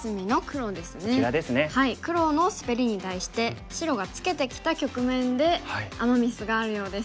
黒のスベリに対して白がツケてきた局面でアマ・ミスがあるようです。